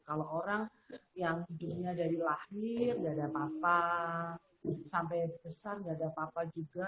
kalau orang yang hidupnya dari lahir nggak ada papa sampai besar nggak ada papa juga